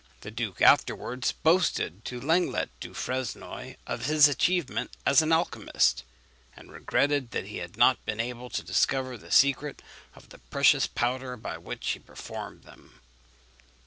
The duke afterwards boasted to Lenglet du Fresnoy of his achievements as an alchymist, and regretted that he had not been able to discover the secret of the precious powder by which he performed them.